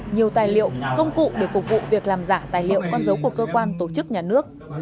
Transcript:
nhiều tài liệu công cụ để phục vụ việc làm giả tài liệu con dấu của cơ quan tổ chức nhà nước